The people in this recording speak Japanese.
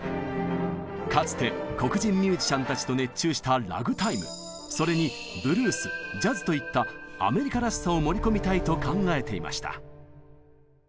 かつて黒人ミュージシャンたちと熱中したラグタイムそれにブルースジャズといったアメリカらしさを盛り込みたいと考えていました。